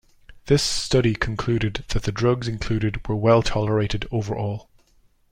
This study concluded that the drugs included were well tolerated overall.